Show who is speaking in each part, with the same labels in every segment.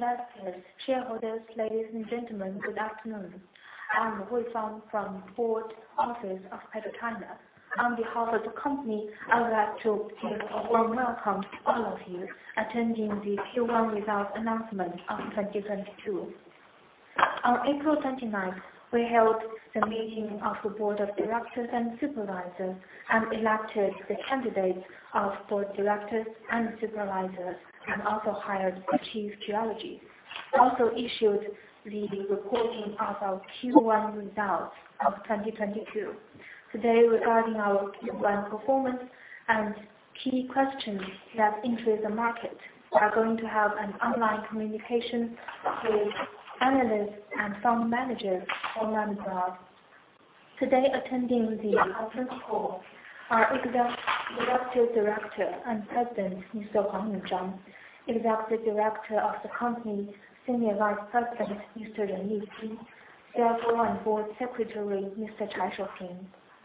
Speaker 1: Dear investors, shareholders, ladies and gentlemen, good afternoon. I'm Wei Fang from Board Office of PetroChina. On behalf of the company, I would like to give a warm welcome to all of you attending the Q1 results announcement of 2022. On April 29th, we held the meeting of the Board of Directors and Supervisors, and elected the candidates of Board of Directors and supervisors, and also hired the chief geologist. Issued the report of our Q1 results of 2022. Today, regarding our Q1 performance and key questions that interest the market, we are going to have an online communication with analysts and fund managers online perhaps. Today, attending the conference call are Executive Director and President Mr. Huang Yongzhang, Executive Director of the company, Senior Vice President Mr. Ren Lixin, CFO and Board Secretary Mr. Chai Shouping,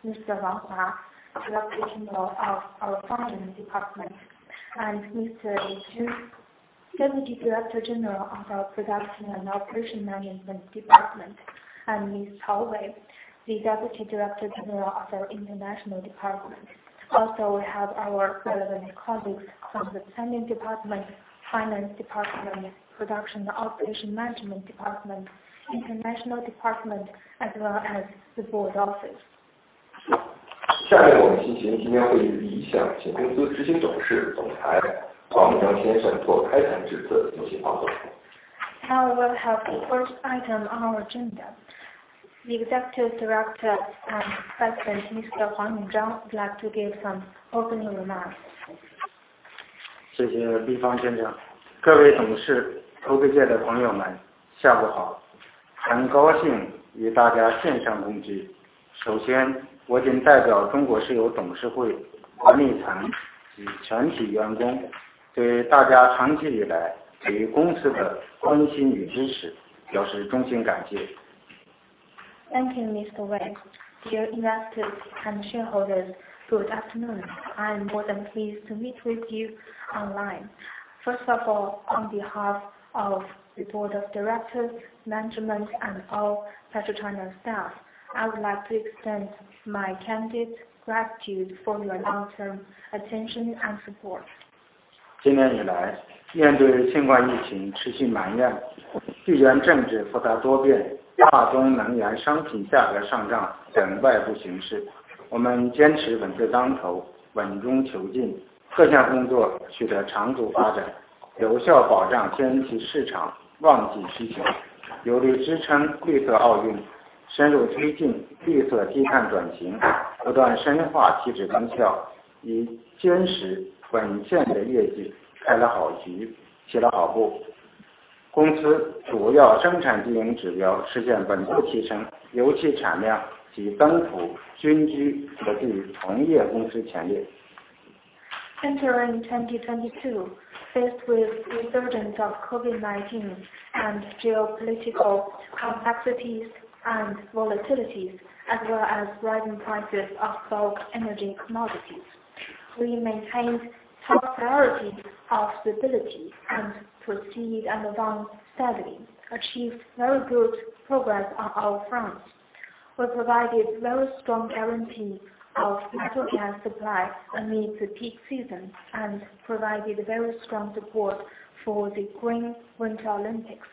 Speaker 1: Mr. Wang Hua, Director General of our Finance Department, and Mr. Xu, Deputy Director General of our Production and Operation Management Department, and Ms. Cao Wei, the Deputy Director General of our International Department. Also, we have our relevant colleagues from the Planning Department, Finance Department, Production and Operation Management Department, International Department, as well as the board office. Now we'll have the first item on our agenda. The Executive Director and President, Mr. Huang Yongzhang, would like to give some opening remarks.
Speaker 2: Thank you, Mr. Wei. Dear investors and shareholders, good afternoon. I am more than pleased to meet with you online. First of all, on behalf of the Board of Directors, management, and all PetroChina staff, I would like to extend my candid gratitude for your long-term attention and support. Entering 2022, faced with resurgence of COVID-19 and geopolitical complexities and volatilities, as well as rising prices of bulk energy commodities, we maintained top priority of stability and proceed and advance steadily, achieved very good progress on all fronts. We provided very strong guarantee of natural gas supply amid the peak season, and provided a very strong support for the Green Winter Olympics.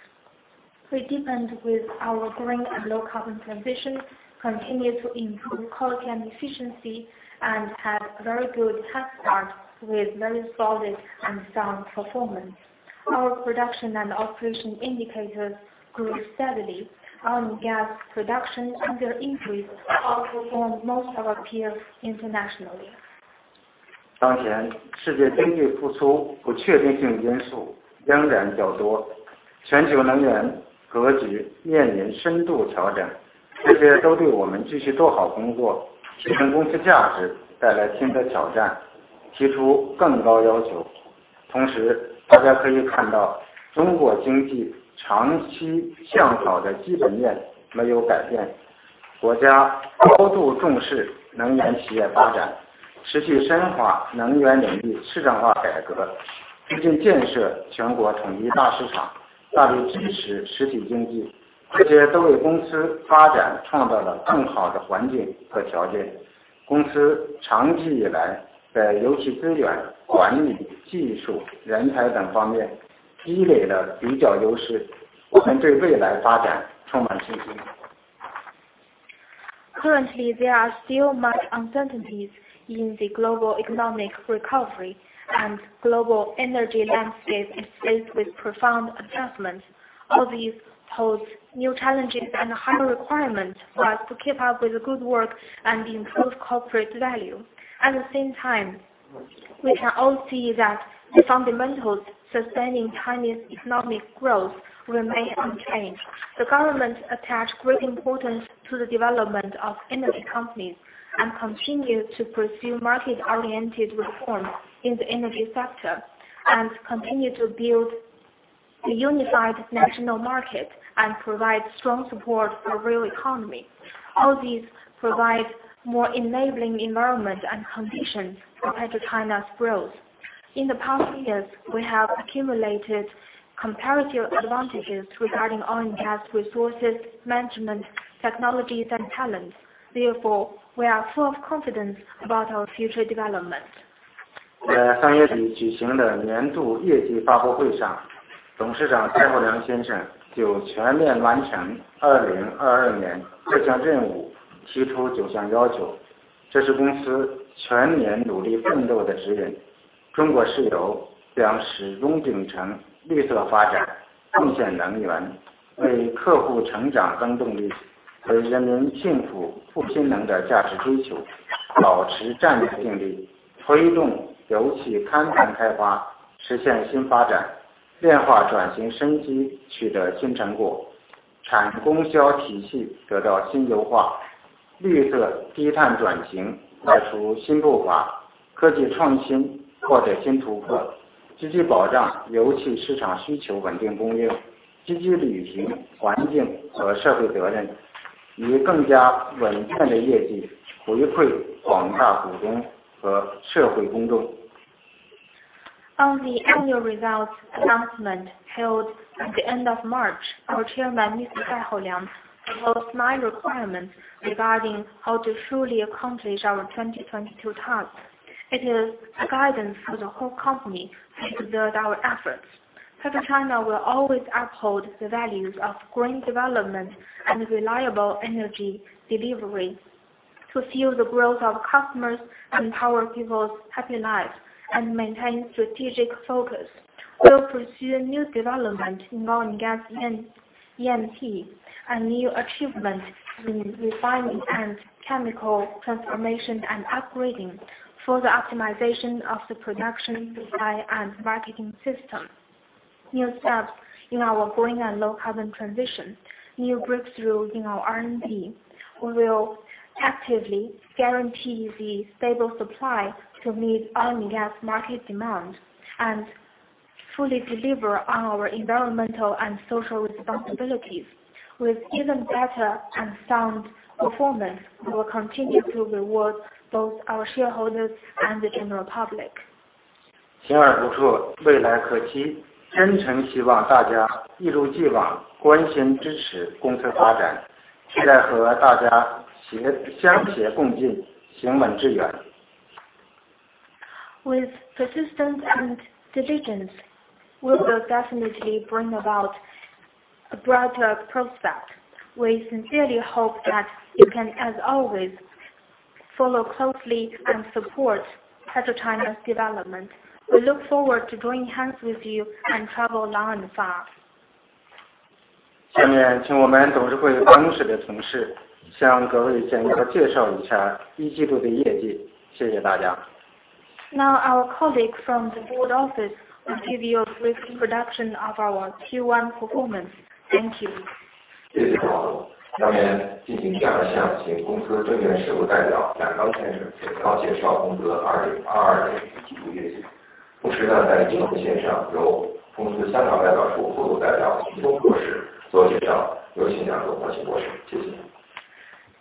Speaker 2: We deepened with our green and low carbon transition, continued to improve quality and efficiency, and had very good head start with very solid and sound performance. Our production and operation indicators grew steadily. Our gas production under increase outperformed most of our peers internationally. Currently, there are still much uncertainties in the global economic recovery, and global energy landscape is faced with profound adjustments. All these pose new challenges and higher requirements for us to keep up with the good work and improve corporate value. At the same time, we can all see that the fundamentals sustaining Chinese economic growth remain unchanged. The government attach great importance to the development of energy companies and continue to pursue market-oriented reform in the energy sector, and continue to build a unified national market and provide strong support for real economy. All these provide more enabling environment and conditions for PetroChina's growth. In the past years, we have accumulated comparative advantages regarding oil and gas resources, management, technologies, and talents. Therefore, we are full of confidence about our future development. On the annual results announcement held at the end of March, our Chairman, Mr. Dai Houliang, proposed nine requirements regarding how to truly accomplish our 2022 task. It is a guidance for the whole company to build our efforts. PetroChina will always uphold the values of green development and reliable energy delivery to fuel the growth of customers, empower people's happy lives, and maintain strategic focus. We'll pursue new development in oil and gas and E&P, and new achievement in refining and chemical transformation and upgrading, further optimization of the production, supply, and marketing system, new steps in our green and low-carbon transition, new breakthroughs in our R&D. We will actively guarantee the stable supply to meet oil and gas market demand, and fully deliver on our environmental and social responsibilities. With even better and sound performance, we will continue to reward both our shareholders and the general public. With persistence and diligence, we will definitely bring about a brighter prospect. We sincerely hope that you can, as always, follow closely and support PetroChina's development. We look forward to joining hands with you and travel long and far. Now, our colleagues from the Board Office will give you a brief introduction of our Q1 performance. Thank you.
Speaker 3: Thank you,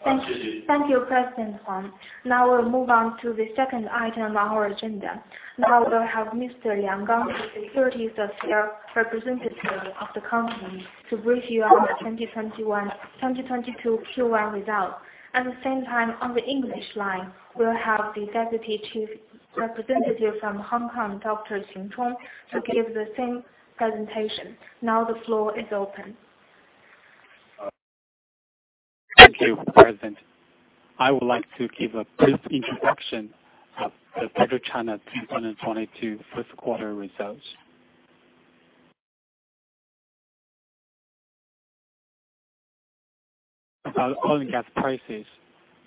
Speaker 3: President Huang. We'll move on to the second item on our agenda. We will have Mr. Liang Gang, the Securities Affairs Representative of the company, to brief you on the 2022 Q1 result. At the same time, on the English line, we'll have the Deputy Chief Representative from Hong Kong, Dr. Xing Chong, to give the same presentation. The floor is open.
Speaker 4: Thank you, President. I would like to give a brief introduction of the PetroChina 2022 first quarter results. About oil and gas prices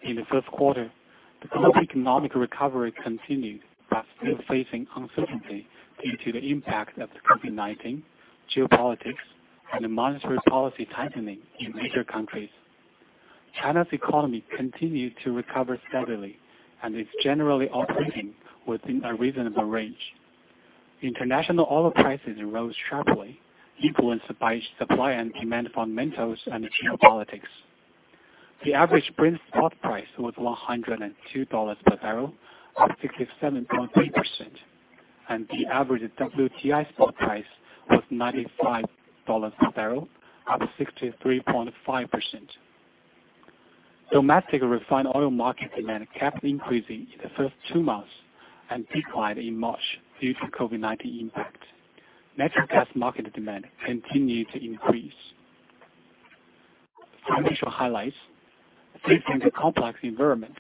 Speaker 4: in the first quarter, the global economic recovery continued, but still facing uncertainty due to the impact of the COVID-19, geopolitics, and the monetary policy tightening in major countries. China's economy continued to recover steadily and is generally operating within a reasonable range. International oil prices rose sharply, influenced by supply and demand fundamentals and geopolitics. The average Brent spot price was $102 per barrel, up 67.3%, and the average WTI spot price was $95 per barrel, up 63.5%. Domestic refined oil market demand kept increasing in the first two months and declined in March due to COVID-19 impact. Natural gas market demand continued to increase. Financial highlights. Facing the complex environment,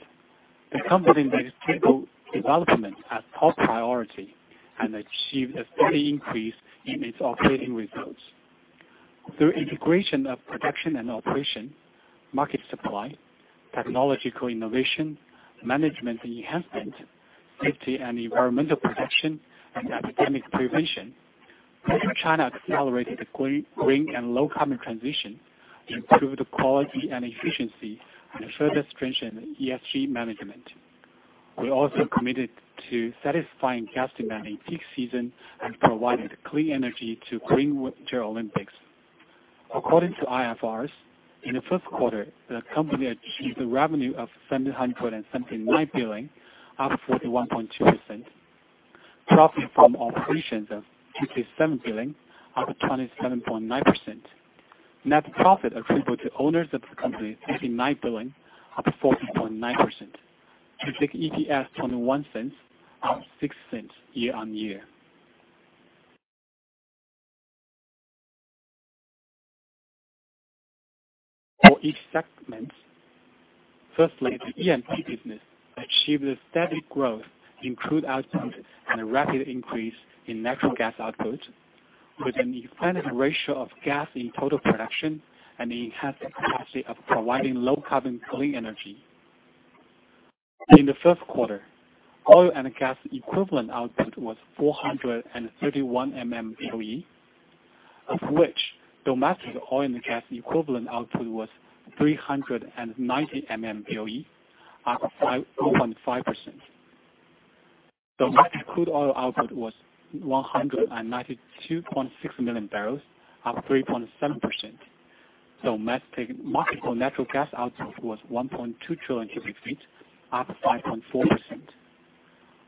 Speaker 4: the company made stable development as top priority and achieved a steady increase in its operating results. Through integration of production and operation, market supply, technological innovation, management enhancement, safety and environmental protection, and epidemic prevention, PetroChina accelerated the green and low-carbon transition, improved quality and efficiency, and further strengthened ESG management. We also committed to satisfying gas demand in peak season and providing clean energy to Green Winter Olympics. According to IFRS, in the first quarter, the company achieved the revenue of 779 million, up 41.2%. Profit from operations of 57 million, up 27.9%. Net profit attributable to owners of the company, 39 million, up 14.9%. Basic EPS, RMB 0.21, up RMB 0.06 year-on-year. For each segment, firstly, the E&P business achieved a steady growth in crude output and a rapid increase in natural gas output, with an expanded ratio of gas in total production and enhanced capacity of providing low-carbon clean energy. In the first quarter, oil and gas equivalent output was 431 MMboe, of which domestic oil and gas equivalent output was 390 MMboe, up 4.5%. The domestic crude oil output was 192.6 million barrels, up 3.7%. Domestic marketable natural gas output was 1.2 trillion cubic feet, up 5.4%.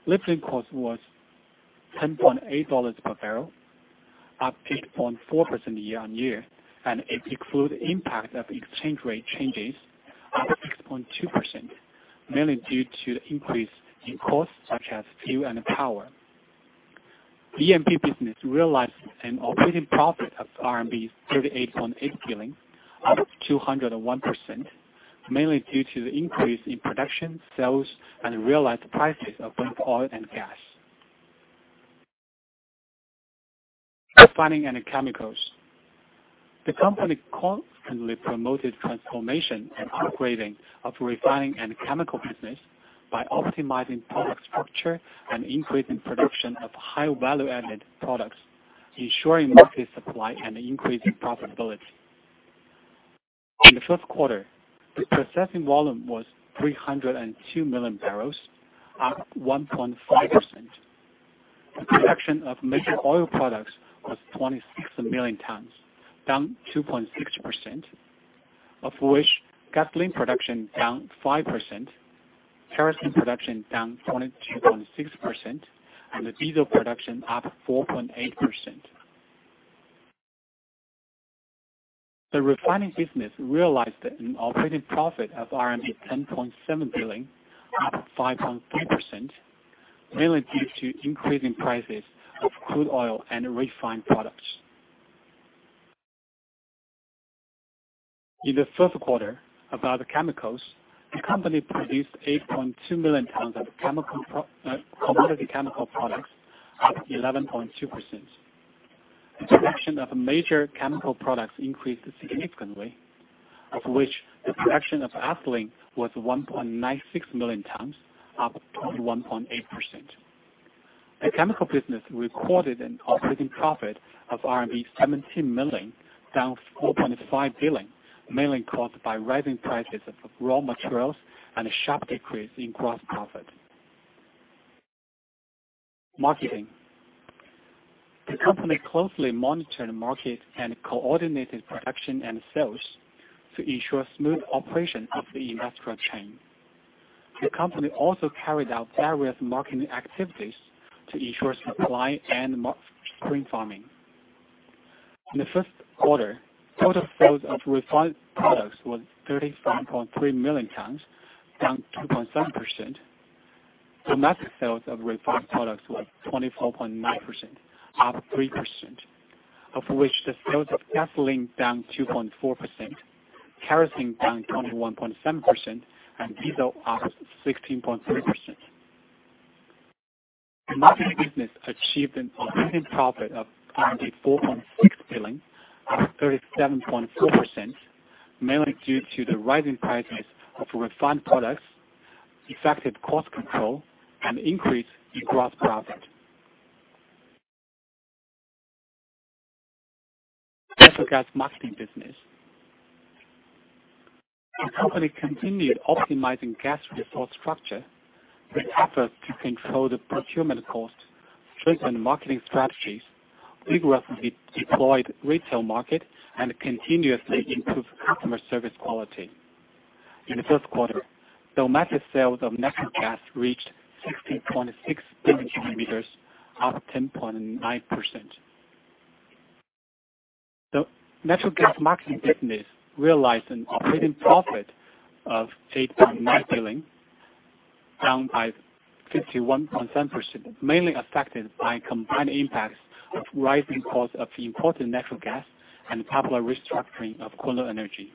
Speaker 4: Lifting cost was $10.8 per barrel, up 8.4% year-on-year, and if exclude impact of exchange rate changes, up 6.2%, mainly due to increase in costs such as fuel and power. E&P business realized an operating profit of RMB 38.8 million, up 201%, mainly due to the increase in production, sales, and realized prices of both oil and gas. Refining and chemicals. The company constantly promoted transformation and upgrading of refining and chemical business by optimizing product structure and increasing production of high value-added products, ensuring market supply and increasing profitability. In the first quarter, the processing volume was 302 million barrels, up 1.5%. The production of major oil products was 26 million tons, down 2.6%, of which gasoline production down 5%, kerosene production down 22.6%, and the diesel production up 4.8%. The refining business realized an operating profit of RMB 10.7 billion, up 5.3%, mainly due to increase in prices of crude oil and refined products. In the first quarter, about the chemicals, the company produced 8.2 million tons of commodity chemical products, up 11.2%. The production of major chemical products increased significantly, of which the production of ethylene was 1.96 million tons, up 21.8%. The chemical business recorded an operating profit of RMB 17 million, down 4.5 million, mainly caused by rising prices of raw materials and a sharp decrease in gross profit. Marketing. The company closely monitored the market and coordinated production and sales to ensure smooth operation of the industrial chain. The company also carried out various marketing activities to ensure supply and marketing for spring farming. In the first quarter, total sales of refined products was 37.3 million tons, down 2.7%. Domestic sales of refined products was 24.9 million tons, up 3%, of which the sales of gasoline down 2.4%, kerosene down 21.7%, and diesel up 16.3%. The marketing business achieved an operating profit of 4.6 million, up 37.4%, mainly due to the rising prices of refined products, effective cost control, and increase in gross profit. Natural gas marketing business. The company continued optimizing gas resource structure with effort to control the procurement cost, strengthened marketing strategies, vigorously deployed retail market, and continuously improved customer service quality. In the first quarter, domestic sales of natural gas reached [60.6] billion cubic meters, up 10.9%. The natural gas marketing business realized an operating profit of 8.9 million, down by 51.7%, mainly affected by combined impacts of rising costs of imported natural gas and popular restructuring of cleaner energy.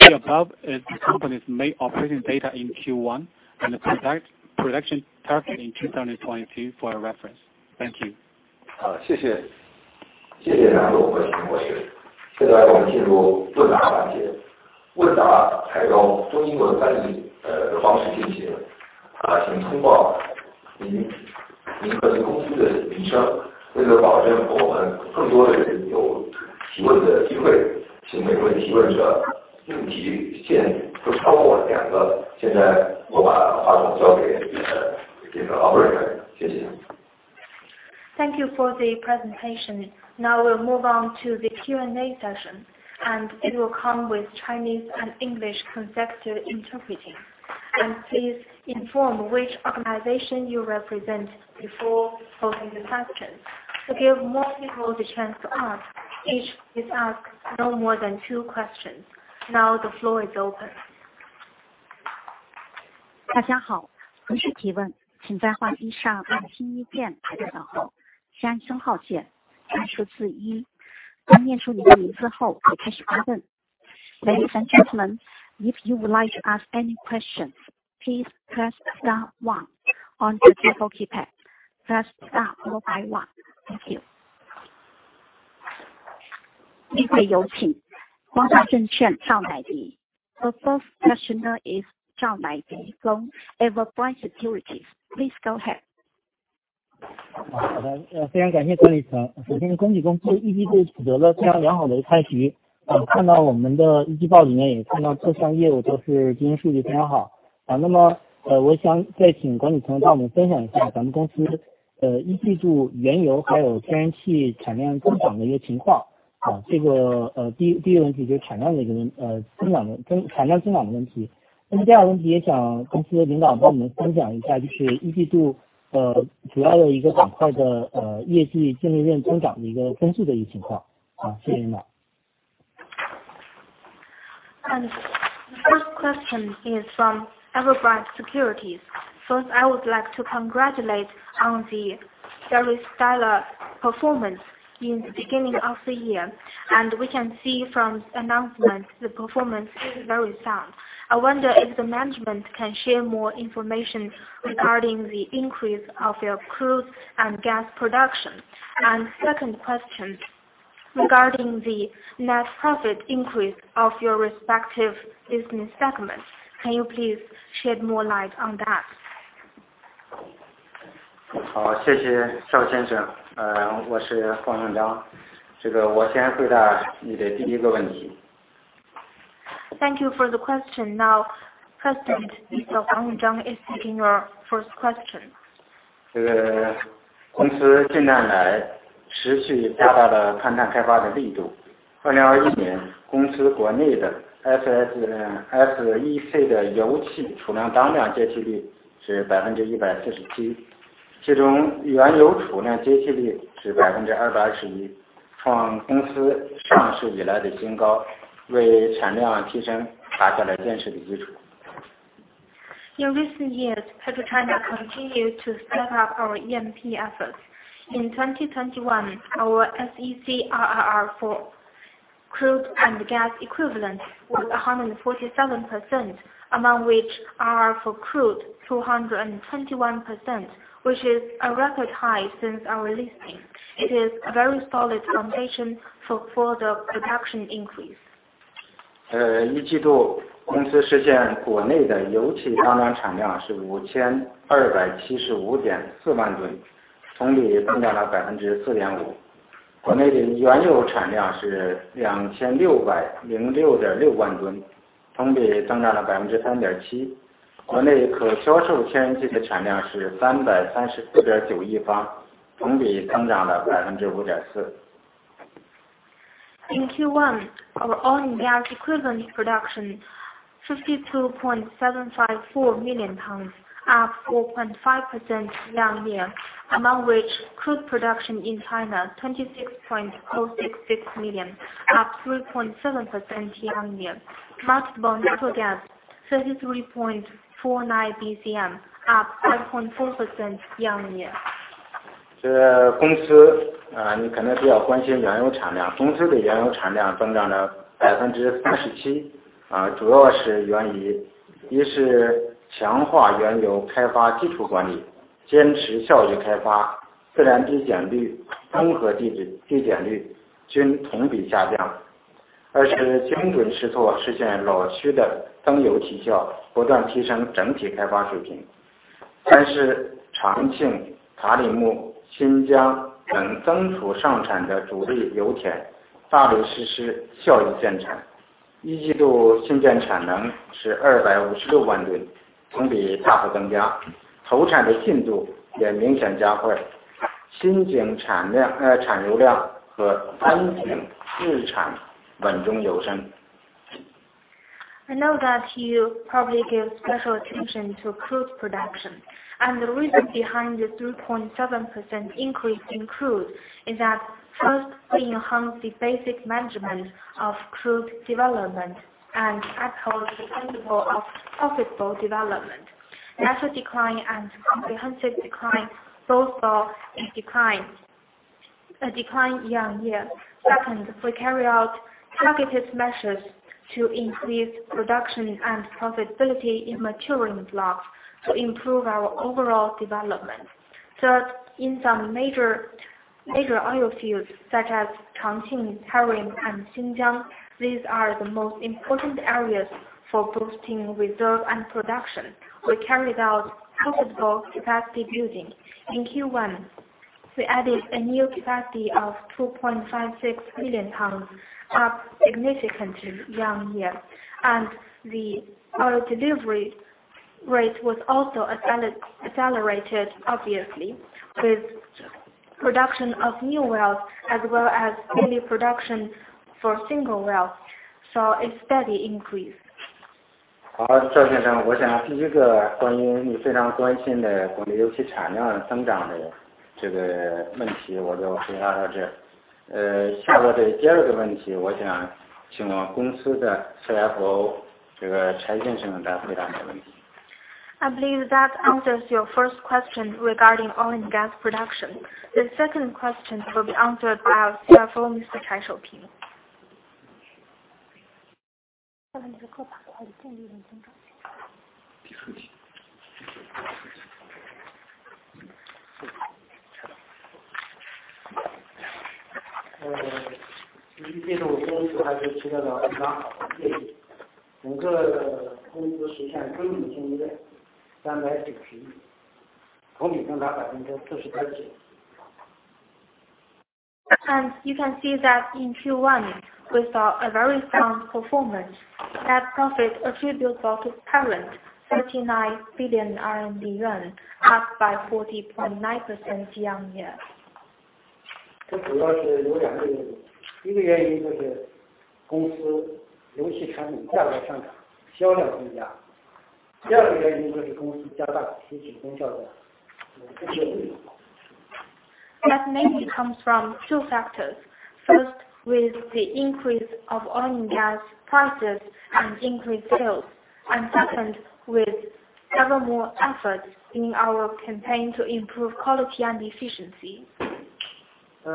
Speaker 4: The above is the company's main operating data in Q1 and the product production target in 2022 for your reference. Thank you.
Speaker 3: 请通报您，您和公司的名称。为了保证更多的有提问的机会，请每位提问者问题限不超过两个。现在我把话筒交给这个operator，谢谢。
Speaker 5: Thank you for the presentation. Now move on to the QA session and it will come with Chinese and English consecutive interpreting. Please inform which organization you represent before asking the question. To give more people the chance to ask, please ask no more than two questions. Now, the floor is open.
Speaker 6: 大家好，何时提问，请在话机上按星一键，排队号响声号键再次按一次一。当念出你的名字后可开始发问。Ladies and gentlemen, if you would like to ask any question, please press star one on the telephone keypad, press star followed by one. Thank you。接下来有请光大证券赵乃迪。
Speaker 5: The first question is 赵乃迪 from Everbright Securities. Please go ahead. The first question is from Everbright Securities. First, I would like to congratulate on the very stellar performance in the beginning of the year, and we can see from the announcement the performance is very sound. I wonder if the management can share more information regarding the increase of your crude and gas production. Second question regarding the net profit increase of your respective business segment, can you please shed more light on that?
Speaker 3: 好，谢谢赵先生，我是黄永章，这个我先回答你的第一个问题。
Speaker 5: Thank you for the question. Now President Yongzhang Huang is taking your first question.
Speaker 2: 这个公司近年来持续加大了勘探开发的力度，2021年公司国内的SEC的油气储量当量接替率是147%，其中原油储量接替率是221%，创公司上市以来的新高，为产量提升打下了坚实的基础。
Speaker 5: In recent years, China continued to step up our E&P efforts. In 2021, our SEC RR for crude and gas equivalent was 147%, among which are for crude 221%, which is a record high since our listing. It is a very solid foundation for further production increase.
Speaker 2: 一季度公司实现国内的油气当量产量是5,275.4万吨，同比增加了4.5%。国内的原油产量是2,606.6万吨，同比增长了3.7%。国内可销售天然气的产量是334.9亿方，同比增长了5.4%。
Speaker 5: In Q1, our oil equivalent production 52.754 million tons, up 4.5% year-on-year. Among which crude production in China 26.466 million, up 3.7% year-on-year. Marketable natural gas 33.49 Bcm, up 5.4% year-on-year. I know that you probably give special attention to crude production. The reason behind this 3.7% increase in crude is that first we enhance the basic management of crude development and uphold the principle of profitable development. Natural decline and comprehensive decline both are in decline, a decline year-on-year. Second, we carry out targeted measures to increase production and profitability in maturing blocks to improve our overall development. In some major oil fields such as Changqing, Tarim, and Xinjiang, these are the most important areas for boosting reserve and production. We carried out possible capacity building. In Q1, we added a new capacity of 2.56 million tons, up significantly year-on-year. The oil delivery rate was also accelerated obviously, with production of new wells, as well as daily production for single wells, saw a steady increase.
Speaker 2: 好，赵先生，我想第一个关于你非常关心的国内油气产量增长的这个问题，我就回答到这。下面第二个问题，我想请我们公司的CFO蔡先生来回答这个问题。
Speaker 5: I believe that answers your first question regarding oil and gas production. The second question will be answered by our CFO, Mr. Chai Shouping.
Speaker 7: 第一季度公司还是取得了非常好的业绩，整个公司实现净利润139亿，同比增长43.9%。
Speaker 5: You can see that in Q1, we saw a very strong performance. Net profit attributable to parent RMB 39 billion, up by 40.9% year-on-year.
Speaker 7: 这主要是有两个原因，一个原因就是公司油气产品价格上涨、销量增加。第二个原因就是公司加大提质增效的这些力度。
Speaker 5: That mainly comes from two factors. First, with the increase of oil and gas prices and increased sales, and second, with several more efforts in our campaign to improve quality and efficiency.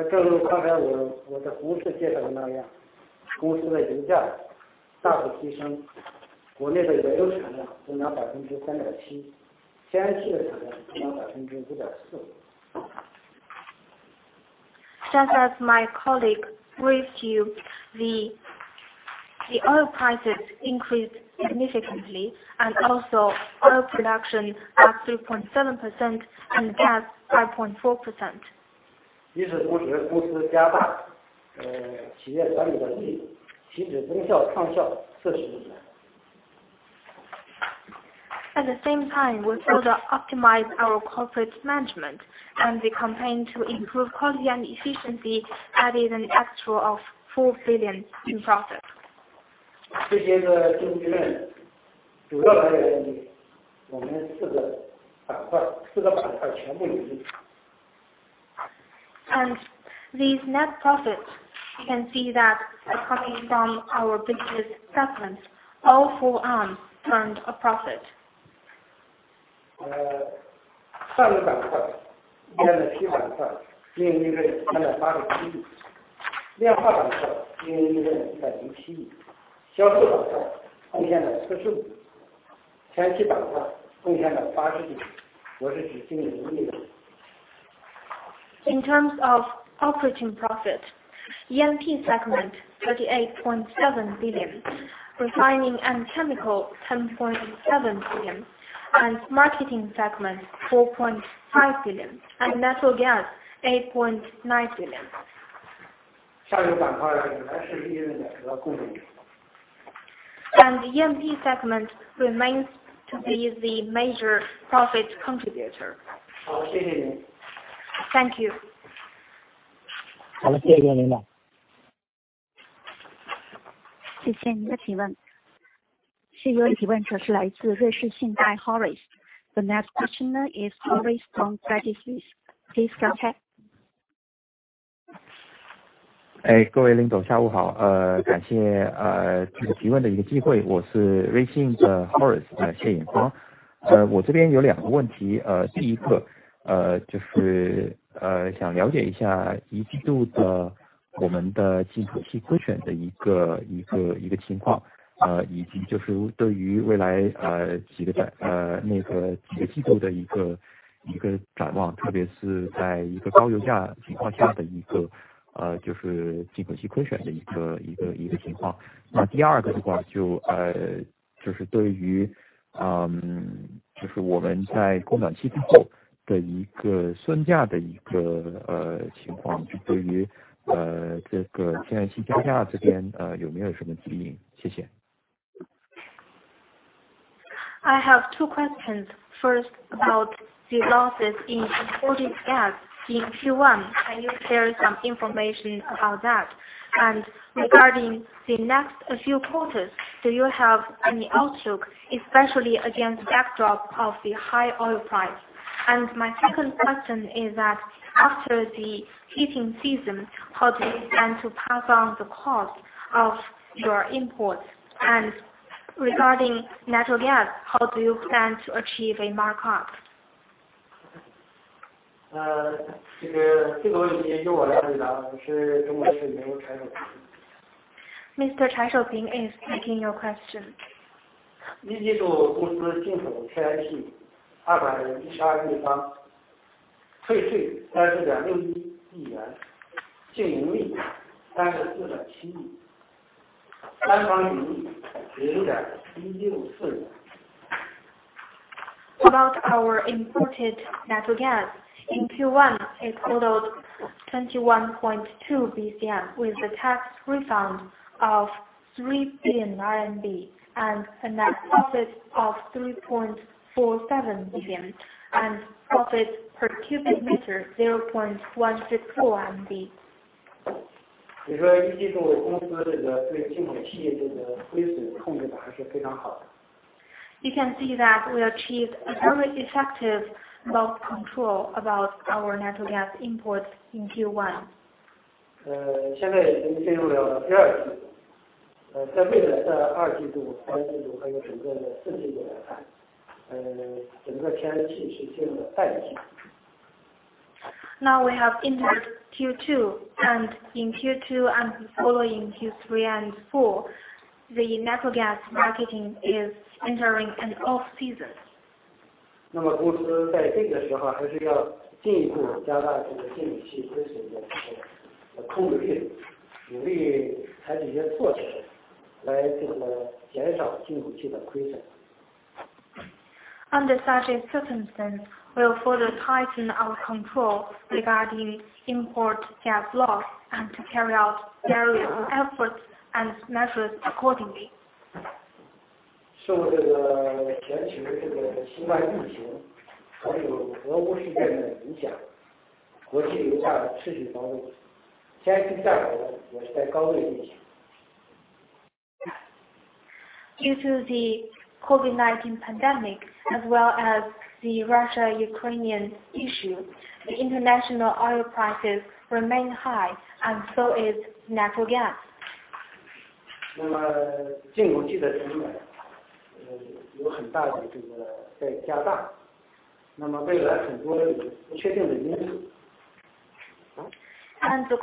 Speaker 7: 正如刚才我在互市介绍的那样，公司的油价大幅提升，国内的原油产量增长3.7%，天然气的产量增长5.4%。
Speaker 5: Just as my colleague briefed you, the oil prices increased significantly and also oil production up 3.7% and gas 5.4%.
Speaker 7: 与此同时，公司加大企业管理的能力，提质增效创效40亿。
Speaker 5: At the same time, we further optimize our corporate management and the campaign to improve quality and efficiency added an extra 4 billion in profit.
Speaker 7: 这些的净利润主要来源于我们四个板块，四个板块全部盈利。
Speaker 5: These net profits, you can see that are coming from our business segments. All four arms turned a profit.
Speaker 7: 上游板块，E&P板块，净利润38.7亿。炼化板块，净利润107亿。销售板块贡献了45亿，天然气板块贡献了80亿，我是指净盈利的。
Speaker 5: In terms of operating profit, E&P segment 38.7 billion, refining and chemical 10.7 billion, and marketing segment 4.5 billion, and natural gas 8.9 billion.
Speaker 7: 上游板块还是E&P板块的贡献。
Speaker 5: E&P segment remains to be the major profit contributor.
Speaker 7: 好，谢谢您。
Speaker 5: Thank you.
Speaker 6: 好了，谢谢各位领导。
Speaker 5: 谢谢您的问题。下一个问题的提问的是来自瑞士信贷Horace。The next questioner is Horace from Credit Suisse. Please go ahead. I have two questions. First, about the losses in imported gas in Q1. Can you share some information about that? Regarding the next few quarters, do you have any outlook, especially against backdrop of the high oil price? My second question is that after the heating season, how do you plan to pass on the cost of your imports? Regarding natural gas, how do you plan to achieve a markup?
Speaker 3: 这个问题由我来回答。我是中石油的蔡守平。
Speaker 5: Mr. Chai Shouping is taking your question.
Speaker 7: About our imported natural gas. In Q1, it totaled 21.2 Bcm with the tax refund of 3 million RMB and a net profit of 3.47 million and profit per cubic meter 0.164. You can see that we achieved a very effective loss control about our natural gas imports in Q1. Now we have entered Q2, and in Q2 and following Q3 and Q4, the natural gas marketing is entering an off-season. Under such a circumstance, we will further tighten our control regarding import gas loss and carry out various efforts and measures accordingly. Due to the COVID-19 pandemic as well as the Russia-Ukrainian issue, the international oil prices remain high, and so is natural gas. The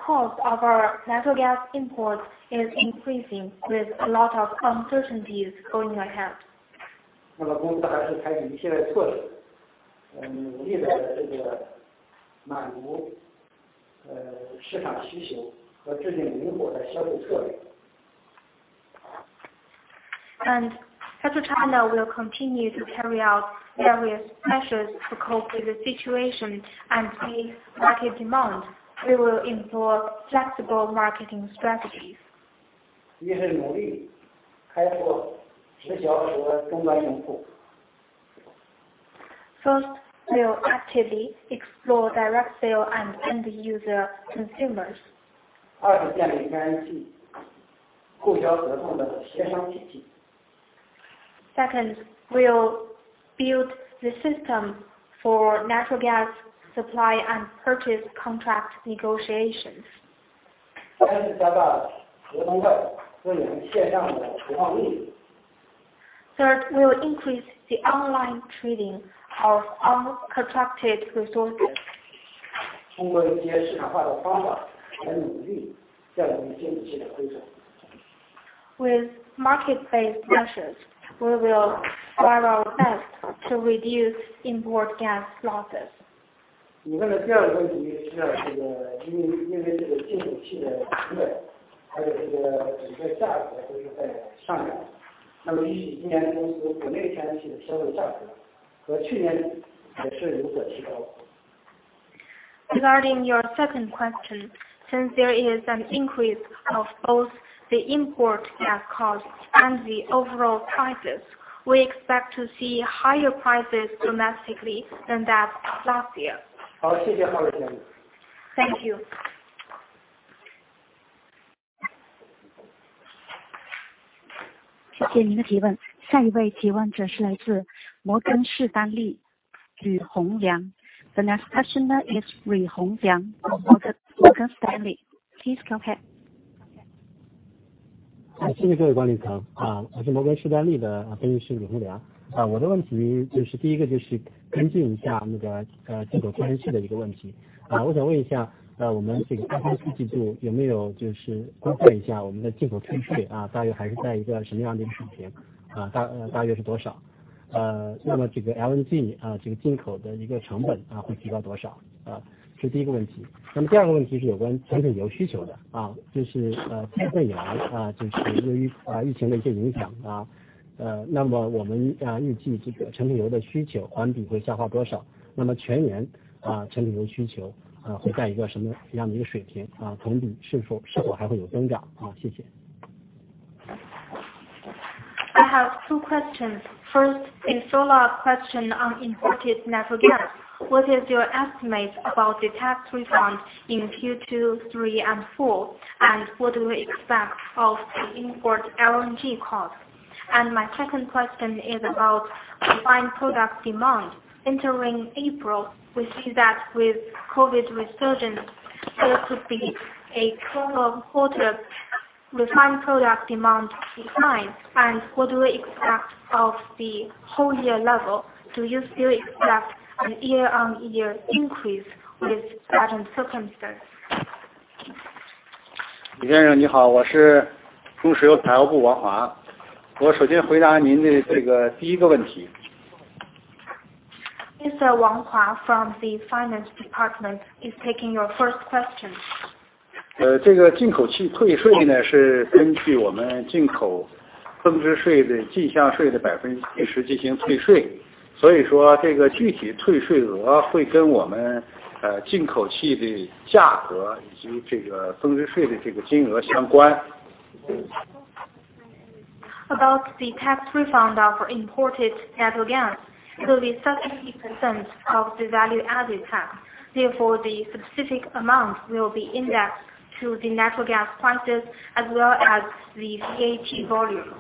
Speaker 7: cost of our natural gas imports is increasing with a lot of uncertainties going ahead. PetroChina will continue to carry out various measures to cope with the situation and see market demand. We will import flexible marketing strategies. First, we'll actively explore direct sale and end user consumers. Second, we'll build the system for natural gas supply and purchase contract negotiations. Third, we will increase the online trading of uncontracted resources. With market-based measures, we will try our best to reduce import gas losses. Regarding your second question, since there is an increase of both the import gas costs and the overall prices, we expect to see higher prices domestically than that of last year. Thank you.
Speaker 6: The next question is [Li Hang] from Morgan Stanley. Please go ahead.
Speaker 8: I have two questions. First, a follow-up question on imported natural gas. What is your estimate about the tax refund in Q2, Q3 and Q4? What do we expect of the import LNG cost? My second question is about refined product demand. Entering April, we see that with COVID resurgence, there could be a total quarter refined product demand decline. What do we expect of the whole year level? Do you still expect a year-on-year increase with current circumstances?
Speaker 3: 李先生你好，我是中石油财务部王华。我首先回答您的这个第一个问题。
Speaker 5: Mr. Wang Hua from the Finance Department is taking your first question.
Speaker 9: 这个进口气退税呢，是根据我们进口增值税的进项税的10%进行退税。所以说这个具体退税额会跟我们进口气的价格以及这个增值税的金额相关。
Speaker 5: About the tax refund of imported natural gas will be 30% of the value-added tax, therefore the specific amount will be indexed to the natural gas prices as well as the VAT volume.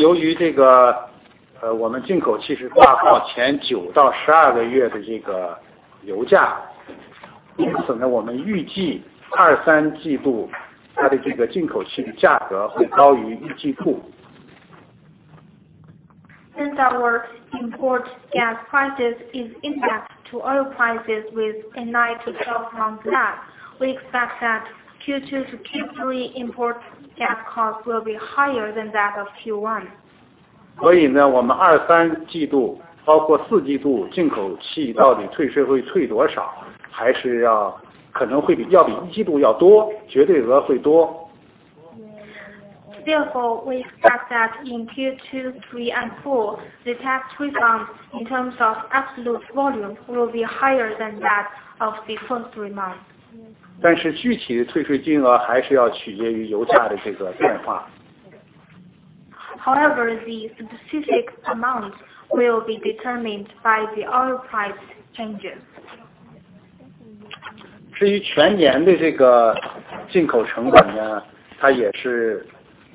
Speaker 9: 由于我们进口气是挂靠前九到十二个月的油价，因此我们预计二、三季度它的进口气的价格会高于一季度。
Speaker 5: Since our import gas prices is indexed to oil prices with a nine to 12-month lag, we expect that Q2 to Q3 import gas costs will be higher than that of Q1.
Speaker 9: 所以呢，我们二、三季度包括四季度进口气到底退税会退多少，还是要可能会比要比一季度要多，绝对额会多。
Speaker 5: Therefore, we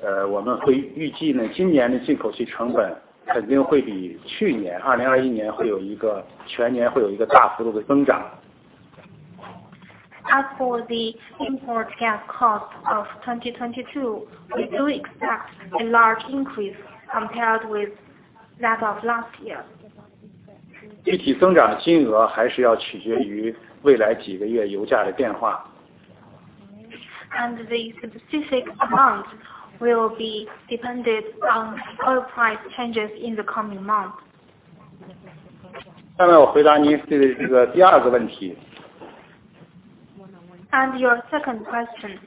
Speaker 5: expect that in Q2, Q3 and Q4, the tax refund in terms of absolute volume will be higher than that of the first three months.
Speaker 9: 但是具体的退税金额还是要取决于油价的这个变化。
Speaker 5: However, the specific amount will be determined by the oil price changes.
Speaker 9: 至于全年的这个进口成本呢，我们会预计，今年的进口气成本肯定会比去年2021年会有一个全年会有一个大幅度的增长。
Speaker 5: As for the import gas cost of 2022, we do expect a large increase compared with that of last year.
Speaker 9: 具体增长的金额还是要取决于未来几个月油价的变化。
Speaker 5: The specific amount will be dependent on oil price changes in the coming months.
Speaker 9: 下面我回答您这个第二个问题。
Speaker 5: Your second question.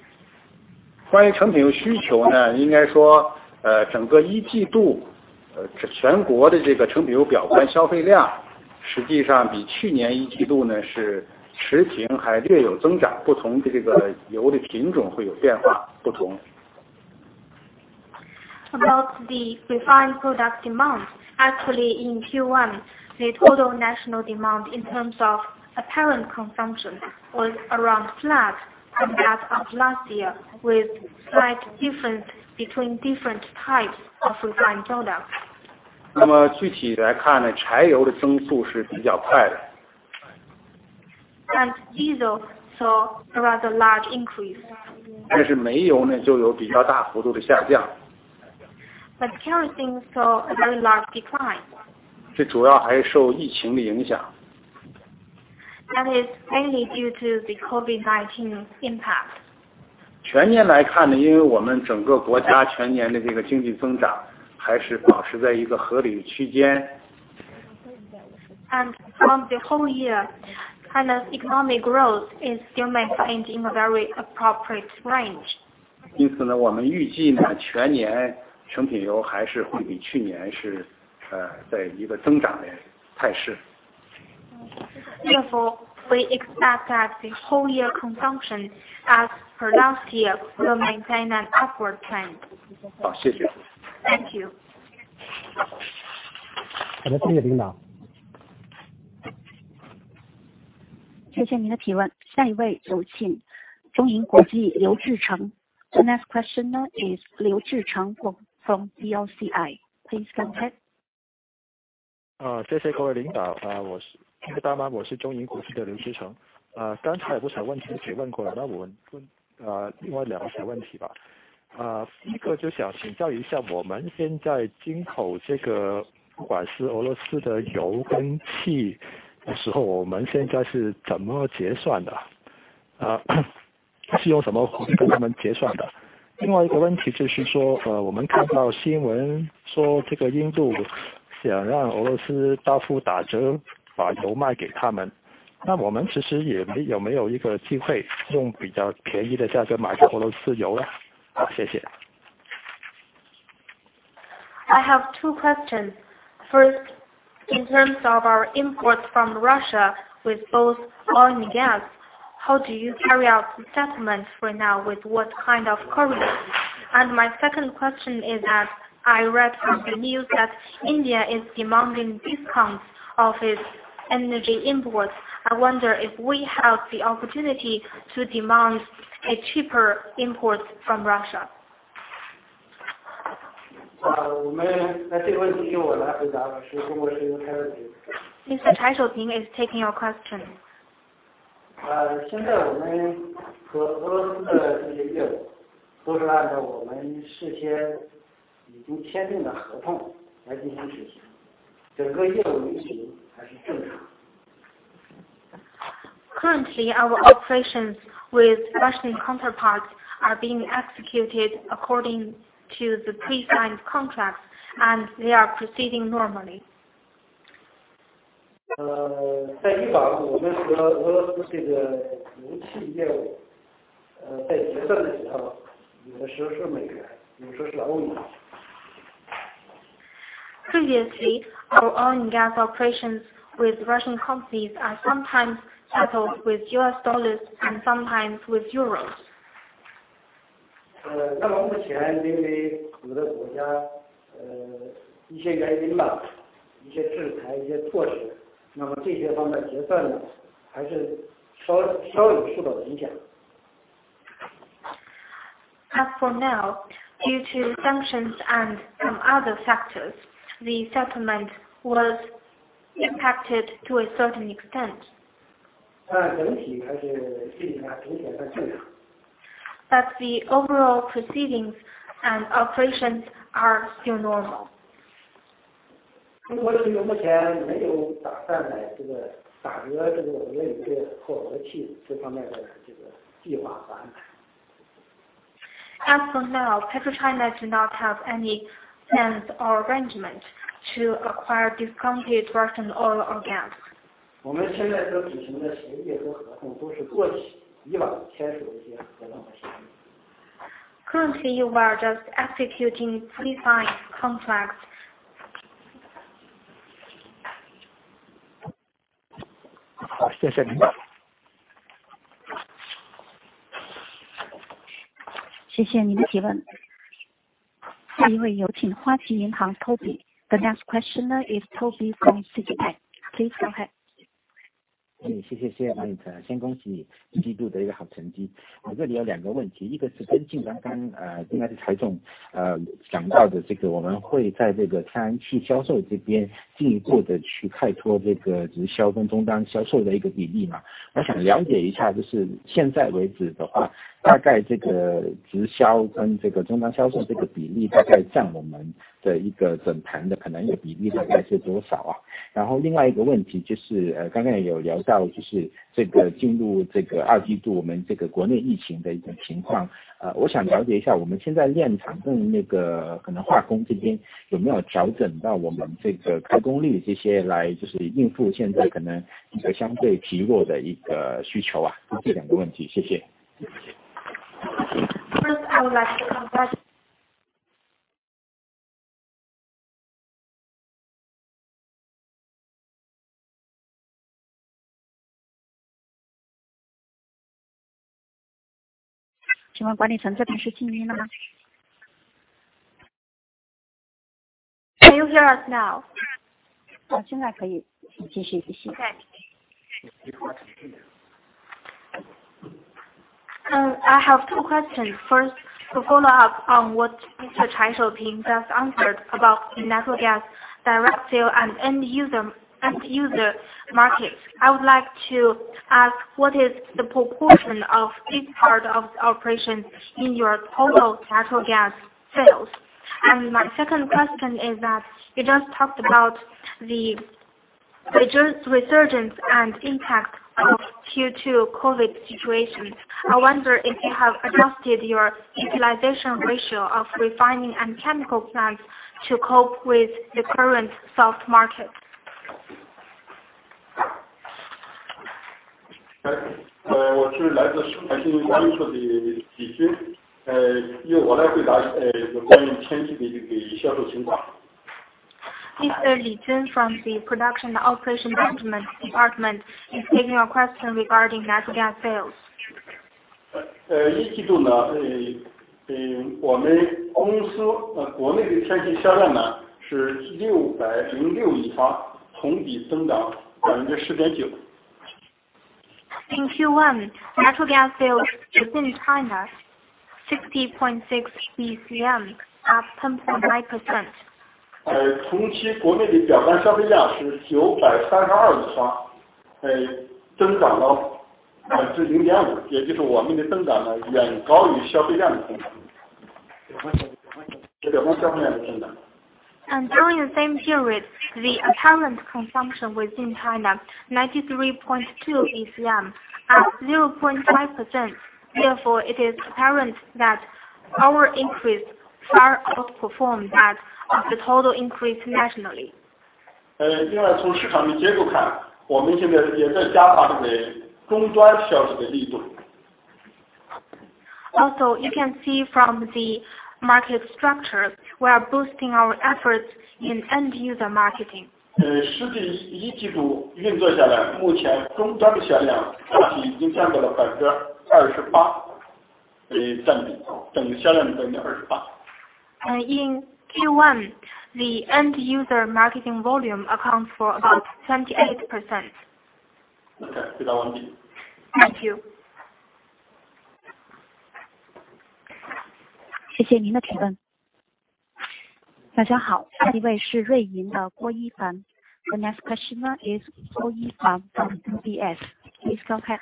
Speaker 9: 关于成品油需求，应该说整个一季度，全国的这个成品油表观消费量实际上比去年一季度，是持平还略有增长，不同这个油的品种会有变化不同。
Speaker 5: About the refined product demand. Actually in Q1, the total national demand in terms of apparent consumption was around flat compared to last year with slight difference between different types of refined products.
Speaker 9: 那么具体来看呢，柴油的增速是比较快的。
Speaker 5: Diesel saw a rather large increase.
Speaker 9: 但是煤油呢，就有比较大幅度的下降。
Speaker 5: Kerosene saw a very large decline.
Speaker 9: 这主要还是受疫情的影响。
Speaker 5: That is mainly due to the COVID-19 impact.
Speaker 9: 全年来看呢，因为我们整个国家全年的这个经济增长还是保持在一个合理区间。
Speaker 5: On the whole year, China's economic growth is still maintained in a very appropriate range.
Speaker 9: 因此，我们预计全年成品油还是会比去年在一个增长的态势。
Speaker 5: Therefore, we expect that the whole year consumption as per last year will maintain an upward trend.
Speaker 9: 好，谢谢。
Speaker 5: Thank you.
Speaker 8: 好的，谢谢领导。
Speaker 6: 谢谢您的提问。下一位有请中银国际刘志成。The next question is 刘志成 from BOCI. Please go ahead.
Speaker 10: 谢谢各位领导， 听得到吗？我是中银国际的刘志成。刚才有不少问题都询问过了，那我们问另外两个小问题吧。第一个就想请教一下，我们现在进口这个不管是俄罗斯的油跟气的时候，我们现在是怎么结算的？是用什么货币跟他们结算的？另外一个问题就是说，我们看到新闻说这个印度想让俄罗斯大幅打折把油卖给他们，那我们其实也有没有一个机会用比较便宜的价格买到俄罗斯油呢？好，谢谢。
Speaker 5: I have two questions. First, in terms of our imports from Russia with both oil and gas, how do you carry out the settlements for now with what kind of currency? My second question is that I read from the news that India is demanding discounts of its energy imports. I wonder if we have the opportunity to demand a cheaper imports from Russia?
Speaker 3: 这个问题由我来回答吧。我是中国石油的蔡守平。
Speaker 5: Mr. Chai Shouping is taking your question.
Speaker 7: 现在我们和俄罗斯的这些业务都是按照我们事先已经签订的合同来进行执行，整个业务运行还是正常。
Speaker 5: Currently our operations with Russian counterparts are being executed according to the pre-signed contracts, and they are proceeding normally. Previously, our oil and gas operations with Russian companies are sometimes settled with U.S. dollars and sometimes with euros. As for now, due to sanctions and some other factors, the settlement was impacted to a certain extent. The overall proceedings and operations are still normal. As for now, PetroChina do not have any plans or arrangements to acquire discounted Russian oil or gas. Currently, we are just executing pre-signed contracts.
Speaker 6: The next questioner is Toby from Citibank. Please go ahead.
Speaker 11: First, I would like to confirm. Can you hear us now? Oh, Okay. I have two questions. First, to follow up on what Mr. Chai Shouping just answered about natural gas, direct sale, and end user markets. I would like to ask, what is the proportion of this part of the operation in your total natural gas sales? My second question is that you just talked about the resurgence and impact of Q2 COVID situation. I wonder if you have adjusted your utilization ratio of refining and chemical plants to cope with the current soft market.
Speaker 3: Uh, Mr. Lijun from the Production and Operation Management Department is taking your question regarding natural gas sales.
Speaker 12: In Q1, natural gas sales within China, 60.6 Bcm, up 10.9%. During the same period, the apparent consumption within China, 93.2 Bcm, up 0.5%. Therefore, it is apparent that our increase far outperformed that of the total increase nationally. Also, you can see from the market structure, we are boosting our efforts in end user marketing. In Q1, the end user marketing volume accounts for about 28%. Okay. Thank you.
Speaker 6: The next questioner is Hu Yifan from UBS. Please go ahead.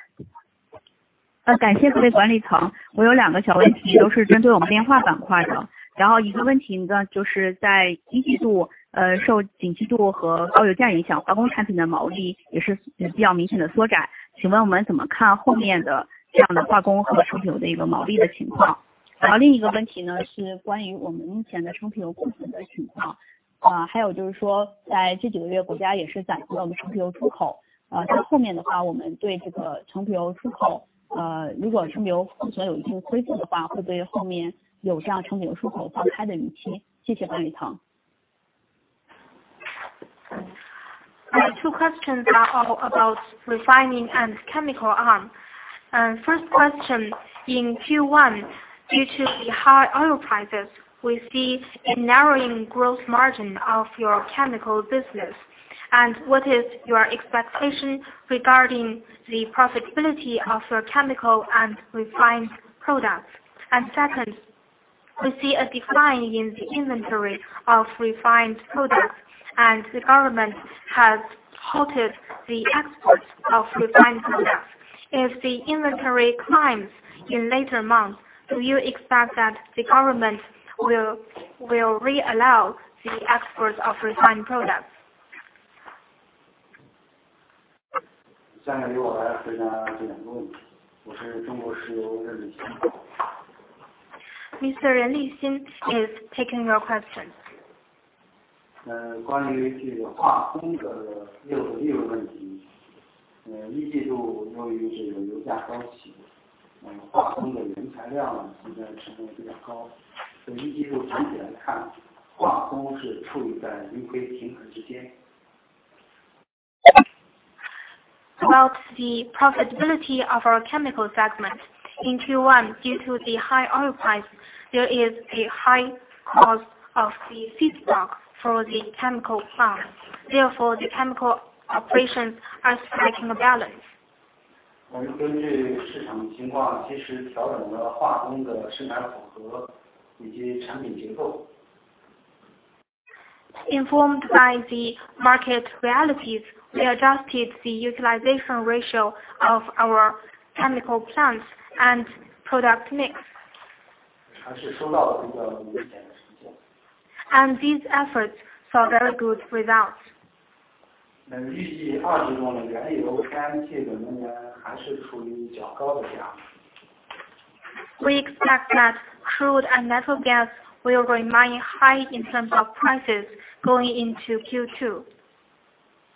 Speaker 13: 感谢管理层，我有两个小问题都是针对我们炼化板块的。一个问题呢，就是在一季度，受景气度和高油价影响，化工产品的毛利也是比较明显的缩窄。请问我们怎么看后面的这样的化工和成品油的毛利的情况？另一个问题呢，是关于我们目前的成品油库存的情况，还有就是说在这几个月国家也是暂停了我们成品油出口，在后面的话我们对这个成品油出口，如果成品油库存有一定亏损的话，会不会后面有这样成品油出口放开的预期？谢谢管理层。
Speaker 5: Two questions about refining and chemical arm. First question, in Q1, due to the high oil prices, we see a narrowing gross margin of your chemical business. What is your expectation regarding the profitability of your chemical and refined products? Second, we see a decline in the inventory of refined products, and the government has halted the export of refined products. If the inventory climbs in later months, do you expect that the government will re-allow the export of refined products?
Speaker 3: 下面由我来回答这两个问题。我是中国石油任立新。
Speaker 5: Mr. Ren Lixin is taking your question.
Speaker 14: 关于化工的业务利润问题，一季度由于油价高企，我们化工的原材料成本比较高，所以一季度整体来看，化工是处于盈亏平衡之间。
Speaker 5: About the profitability of our chemical segment in Q1, due to the high oil price, there is a high cost of the feedstock for the chemical plant. Therefore, the chemical operations are striking a balance.
Speaker 14: 我们根据市场情况，及时调整了化工的生产组合以及产品结构。
Speaker 5: Informed by the market realities, we adjusted the utilization ratio of our chemical plants and product mix.
Speaker 14: 还是受到了比较明显的影响。
Speaker 5: These efforts saw very good results.
Speaker 14: 预计二季度，原油和天然气等能源还是处于较高的价。
Speaker 5: We expect that crude and natural gas will remain high in terms of prices going into Q2.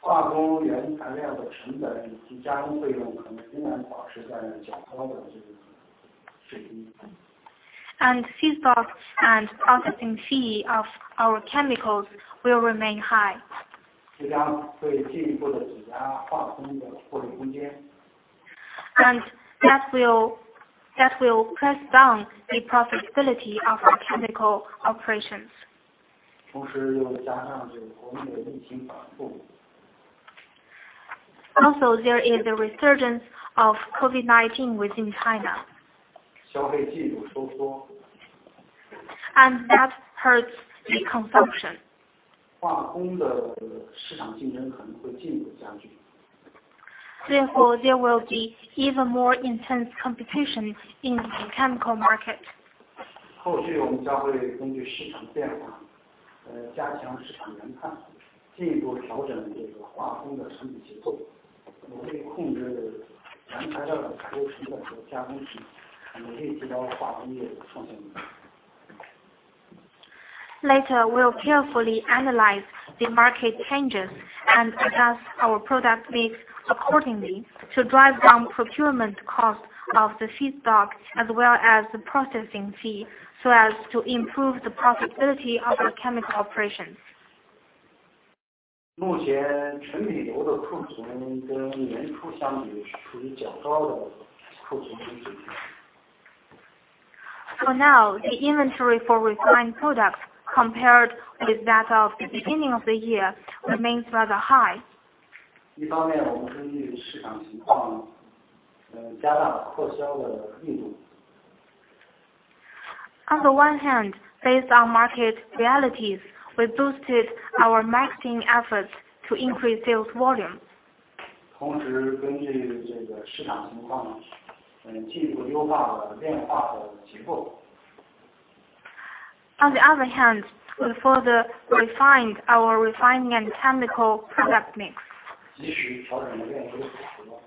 Speaker 14: 化工原材料的成本以及加工费用可能仍然保持在较高的这个水平。
Speaker 5: Feedstock and processing fee of our chemicals will remain high.
Speaker 14: 这将会进一步地挤压化工的获利空间。
Speaker 5: That will press down the profitability of our chemical operations.
Speaker 14: 同时又加上这个国内的疫情反复。
Speaker 5: Also, there is a resurgence of COVID-19 within China.
Speaker 14: 消费进一步收缩。
Speaker 5: That hurts the consumption.
Speaker 14: 化工的市场竞争可能会进一步加剧。
Speaker 5: Therefore, there will be even more intense competition in the chemical market.
Speaker 14: 后续我们将会根据市场变化，加强市场研判，进一步调整这个化工的产品结构，我会控制原材料采购成本和加工费，以提高化工业的创效能力。
Speaker 5: Later, we'll carefully analyze the market changes and adjust our product mix accordingly to drive down procurement cost of the feedstock as well as the processing fee, so as to improve the profitability of our chemical operations.
Speaker 14: 目前成品油的库存跟年初相比，是处于较高的库存水平。
Speaker 5: For now, the inventory for refined products compared with that of the beginning of the year remains rather high.
Speaker 14: 一方面我们根据市场情况，加大促销的力度。
Speaker 5: On the one hand, based on market realities, we boosted our marketing efforts to increase sales volume.
Speaker 14: 同时根据这个市场情况，进一步优化了炼化的结构。
Speaker 5: On the other hand, we further refined our refining and chemical product mix.
Speaker 14: 及时调整炼化使用。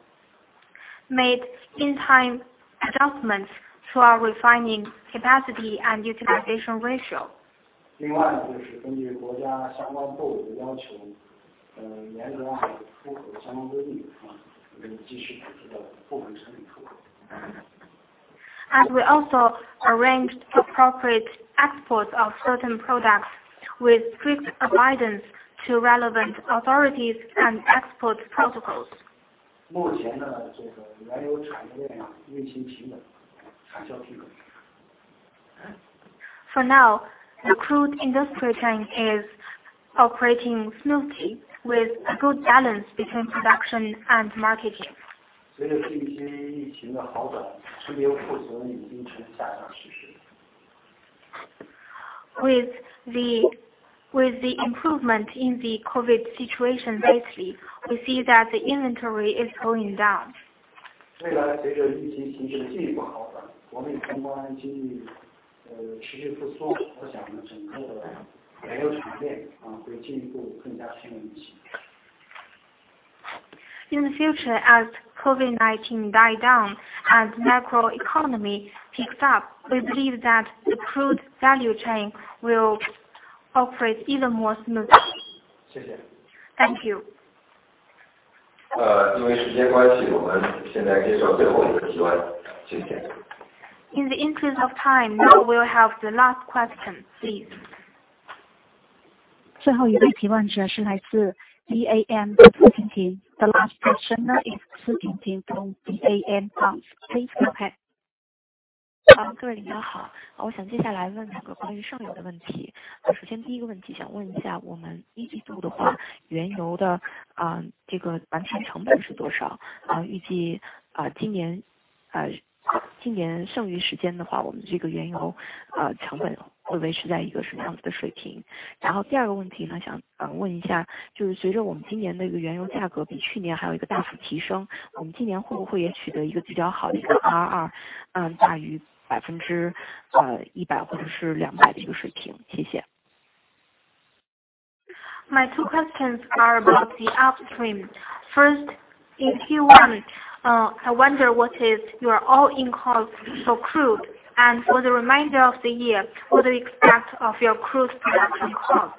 Speaker 5: Made timely adjustments to our refining capacity and utilization ratio.
Speaker 14: 另外就是根据国家相关部门的要求，严格出口相关规定，继续推进部分产品出口。
Speaker 5: We also arranged appropriate exports of certain products with strict abidance to relevant authorities and export protocols.
Speaker 14: 目前呢，这个原油产业链运行平稳，产销平衡。
Speaker 5: For now, the crude industry chain is operating smoothly with a good balance between production and marketing.
Speaker 14: 随着近期疫情的好转，成品油库存已经呈下降趋势。
Speaker 5: With the improvement in the COVID situation lately, we see that the inventory is going down.
Speaker 14: 未来随着疫情形势进一步好转，国内宏观经济持续复苏，我想整个的加油产业链会进一步更加平衡一些。
Speaker 5: In the future, as COVID-19 dies down and macro economy picks up, we believe that the crude value chain will operate even more smoothly.
Speaker 14: 谢谢。
Speaker 5: Thank you.
Speaker 3: 因为时间关系，我们现在接受最后一个提问，谢谢。
Speaker 5: In the interest of time, now we'll have the last question, please.
Speaker 6: 最后一个提问者是来自DBS的苏婷婷。The last questioner is [Su Tingting] from [DBS] please go ahead.
Speaker 15: 好，各位领导好，我想接下来问两个关于上游的问题。首先第一个问题想问一下，我们一季度的话，原油的完成成本是多少，预计今年剩余时间的话，我们这个原油成本会维持在一个什么样的水平？然后第二个问题呢，想问一下，就是随着我们今年这个原油价格比去年还有一个大幅提升，我们今年会不会也取得一个比较好的RR，大于100%或者是200%的一个水平？谢谢。
Speaker 5: My two questions are about the upstream. First in Q1, I wonder what is your all in cost for crude and for the remainder of the year, what do you expect of your crude production cost?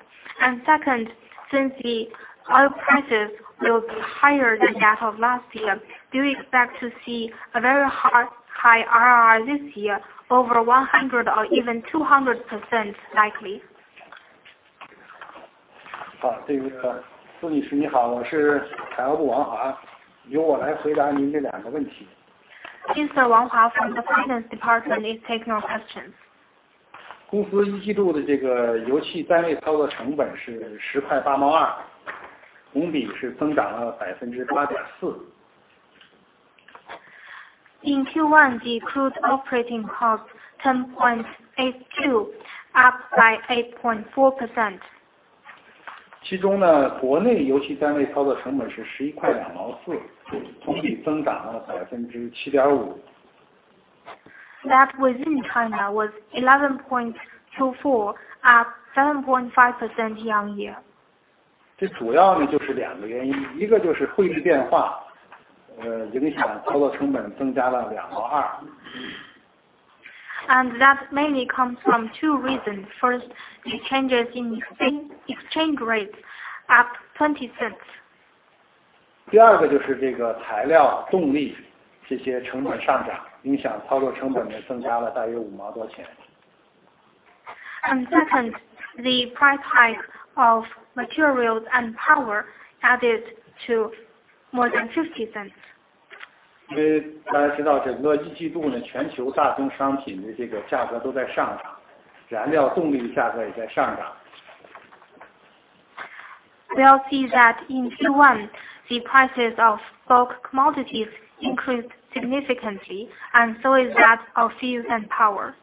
Speaker 5: Second, since the oil prices will be higher than that of last year, do you expect to see a very high RR this year over 100% or even 200% likely?
Speaker 3: 好，这个苏女士你好，我是财务部王华，由我来回答您这两个问题。
Speaker 5: Mr. Wang Hua from the Finance Department is taking your question.
Speaker 9: 公司一季度的油气单位操作成本是10.82元，同比增长了8.4%。
Speaker 5: In Q1, the crude operating cost $10.82, up by 8.4%.
Speaker 9: 其中，国内油气单位操作成本是11.24元，同比增长了7.5%。
Speaker 5: That within China was 11.24 at 7.5% year-on-year.
Speaker 9: 这主要呢就是两个原因，一个就是汇率变化影响操作成本增加了两毛二。
Speaker 5: That mainly comes from two reasons. First, the changes in exchange rates up RMB 0.20.
Speaker 9: 第二个就是这个材料动力这些成本上涨影响，操作成本呢增加了大约五毛多钱。
Speaker 5: Second, the price hike of materials and power added to more than 0.50.
Speaker 9: 因为大家知道整个一季度呢，全球大宗商品的这个价格都在上涨，燃料动力价格也在上涨。
Speaker 5: We all see that in Q1, the prices of stock commodities increased significantly and so is that of fuel and power.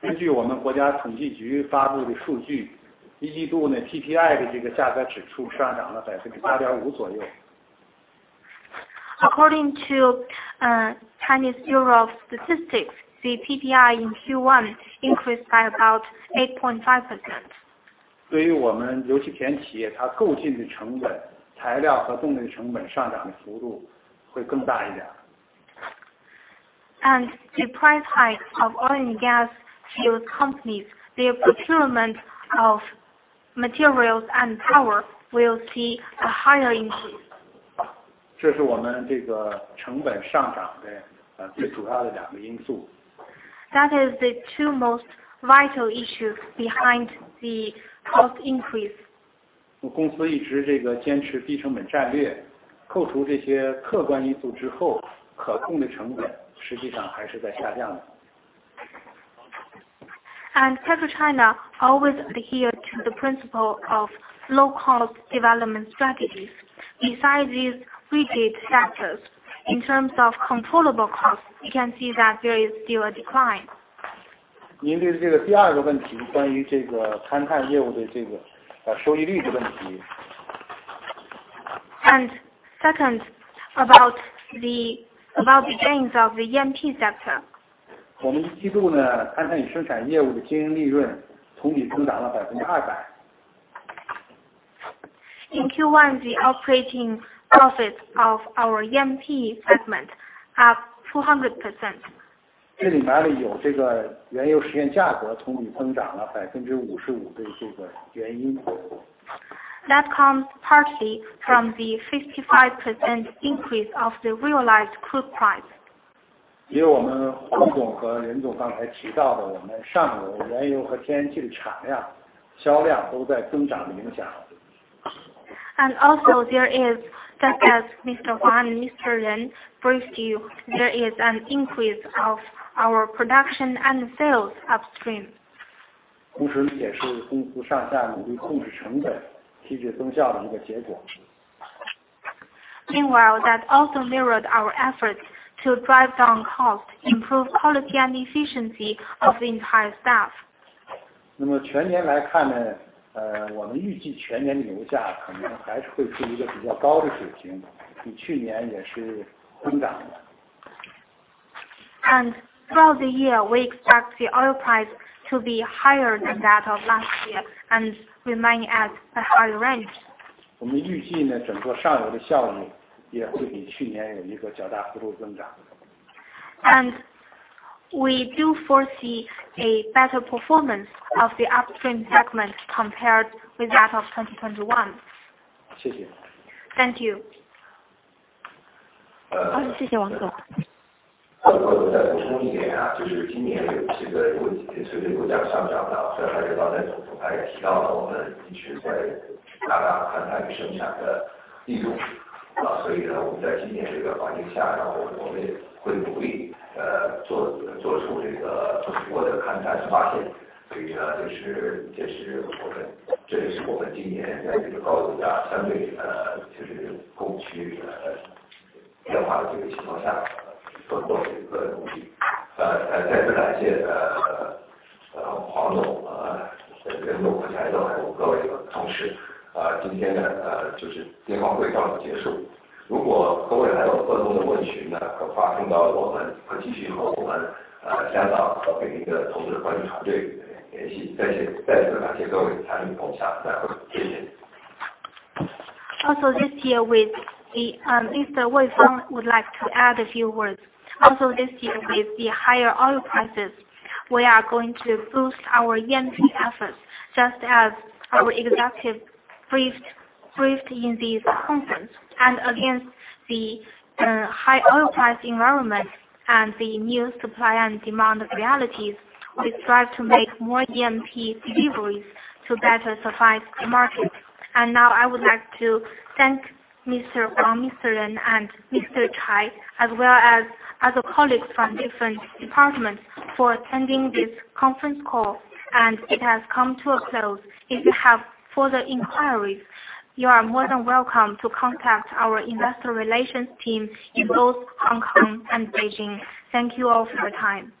Speaker 9: 根据我们国家统计局发布的数据，一季度PPI的价格指数上涨了8.5%左右。
Speaker 5: According to the National Bureau of Statistics of China, the PPI in Q1 increased by about 8.5%.
Speaker 9: 对于我们油气田企业，它购进的成本，材料和动力成本上涨的幅度会更大一点。
Speaker 5: The price hike of oil and gas field companies, their procurement of materials and power will see a higher increase.
Speaker 9: 这是我们这个成本上涨的最主要的两个因素。
Speaker 1: That is the two most vital issues behind the cost increase.
Speaker 9: 我们公司一直坚持低成本战略，扣除这些客观因素之后，可控的成本实际上还是在下降的。
Speaker 5: PetroChina always adhere to the principle of low cost development strategies. Besides these rigid factors, in terms of controllable costs, you can see that there is still a decline.
Speaker 9: 应对这个第二个问题，关于这个勘探业务的收益率的问题。
Speaker 5: Second, about the gains of the E&P sector.
Speaker 9: 我们一季度呢，勘探与生产业务的经营利润同比增长了200%。
Speaker 5: In Q1, the operating profit of our E&P segment up 200%.
Speaker 9: 这里面有这个原油实现价格同比增长了55%的这个原因。
Speaker 5: That comes partly from the 55% increase of the realized crude price.
Speaker 9: 因为我们黄总和林总刚才提到的我们上游原油和天然气的产量、销量都在增长的影响。
Speaker 5: There is that as Mr. Huang, Mr. Ren briefed you, there is an increase of our production and sales upstream.
Speaker 9: 同时也是公司上下努力控制成本、提质增效的一个结果。
Speaker 5: Meanwhile, that also mirrored our efforts to drive down costs, improve quality and efficiency of the entire staff. Throughout the year, we expect the oil price to be higher than that of last year and remain at a high range. We do foresee a better performance of the upstream segment compared with that of 2021. Thank you.
Speaker 3: Mr. Wei Fang would like to add a few words.
Speaker 1: Also this year with the higher oil prices, we are going to boost our NPT efforts just as our executive briefed in this conference. Against the high oil price environment and the new supply and demand realities, we strive to make more E&P deliveries to better suffice the market. Now I would like to thank Mr. Huang, Mr. Ren, and Mr. Chai, as well as other colleagues from different departments for attending this conference call, and it has come to a close. If you have further inquiries, you are more than welcome to contact our investor relations team in both Hong Kong and Beijing. Thank you all for your time.